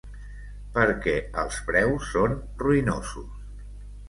Perquè els preus són ruïnosos.